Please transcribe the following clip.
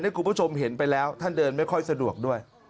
คุณผู้ชมเห็นไปแล้วท่านเดินไม่ค่อยสะดวกด้วย